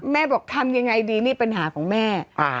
แม่บอกทำยังไงดีนี่ปัญหาของแม่